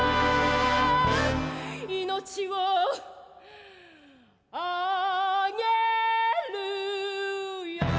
「命をあげるよ」